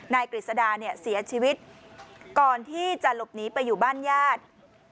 นายกริสดาเสียชีวิตก่อนที่จะหลบหนีไปอยู่บ้านญาติ